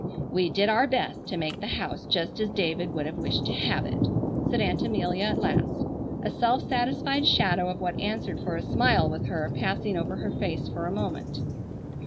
"We did our best to make the house just as David would have wished to have it," said Aunt Amelia at last, a self satisfied shadow of what answered for a smile with her, passing over her face for a moment.